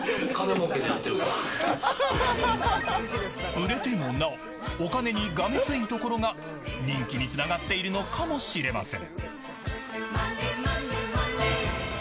売れてもなおお金にがめついところが人気につながっているのかもしれません。